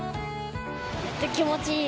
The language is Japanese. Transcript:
気持ち良い。